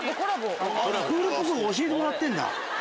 クールポコ。が教えてもらってんだ。